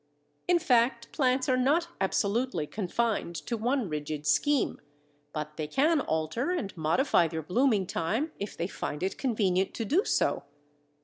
In fact plants are not absolutely confined to one rigid scheme, but they can alter and modify their blooming time if they find it convenient to do so.